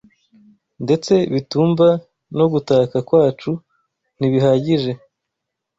ndetse bitumva no gutaka kwacu ntibihagije